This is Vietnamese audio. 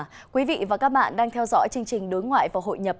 thưa quý vị và các bạn đang theo dõi chương trình đối ngoại và hội nhập